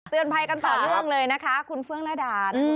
เตือนไผลกันต่อเรื่องเลยนะคะคุณเฟื้องและดาร